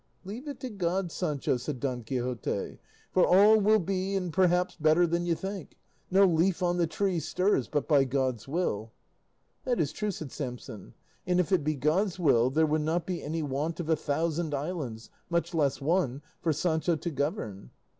"Leave it to God, Sancho," said Don Quixote, "for all will be and perhaps better than you think; no leaf on the tree stirs but by God's will." "That is true," said Samson; "and if it be God's will, there will not be any want of a thousand islands, much less one, for Sancho to govern."